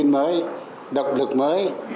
động lực mới động lực mới